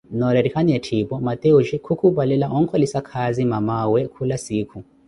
Noorettikhana etthiipo, Mateus khukhupalela onkholisa khaazi mamaa we khula siikhu.